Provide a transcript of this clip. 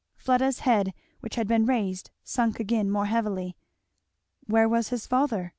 Fleda's head which had been raised sunk again and more heavily. "Where was his father?"